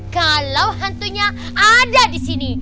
kalau hantunya ada disini